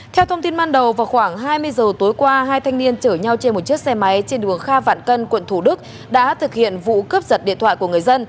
theo thông tin ban đầu vào khoảng hai mươi giờ tối qua hai thanh niên chở nhau trên một chiếc xe máy trên đường kha vạn cân quận thủ đức đã thực hiện vụ cướp giật điện thoại của người dân